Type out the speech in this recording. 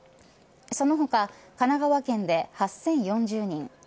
その他、神奈川県で８０４０人